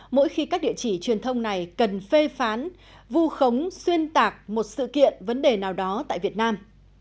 mỗi khi các địa chỉ truyền thông này cần phê phán vu khống xuyên tạc một sự kiện vấn đề nào đó tại việt nam